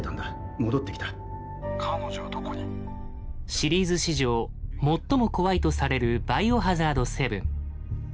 シリーズ史上最も怖いとされる「バイオハザード７」。